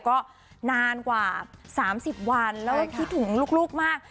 ก็นานกว่า๓๐วันแล้วก็คิดถึงลูกมาก